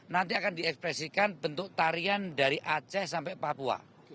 nanti akan diekspresikan bentuk tarian dari aceh sampai papua